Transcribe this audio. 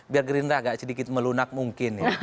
biar gerindra agak sedikit melunak mungkin ya